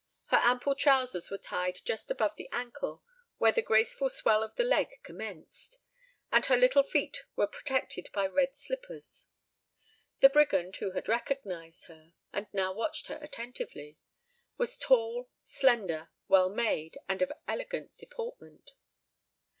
Her ample trousers were tied just above the ankle where the graceful swell of the leg commenced; and her little feet were protected by red slippers. The Brigand who had recognised her, and now watched her attentively, was tall, slender, well made, and of elegant deportment.